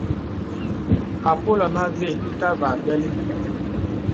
Àpōlə mə avə ìtâvà bɛli.